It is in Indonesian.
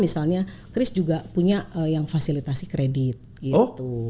misalnya kris juga punya yang fasilitasi kredit gitu